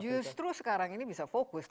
justru sekarang ini bisa fokus